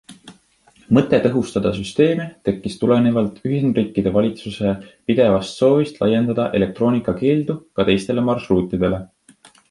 Mõte tõhustada süsteeme tekkis tulenevalt Ühendriikide valitsuse pidevast soovist laiendada elektroonikakeeldu ka teistele marsruutidele.